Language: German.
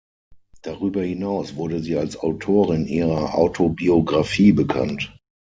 Darüber hinaus wurde sie als Autorin ihrer Autobiographie bekannt.